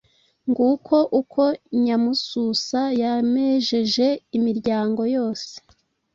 Nguko uko Nyamususa « yamejeje imiryango yose ».